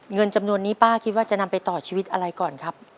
เงินจำนวนนี้ป้าคิดว่าจะนำไปต่อชีวิตอะไรก่อนครับ